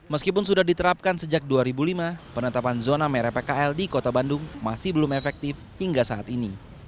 meskipun sudah diterapkan sejak dua ribu lima penetapan zona merah pkl di kota bandung masih belum efektif hingga saat ini